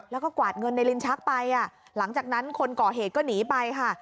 แล้วก็กวาดเงินในลิ้นชักไปหลังจากนั้นคนก่อเหตุก็หนีไปค่ะ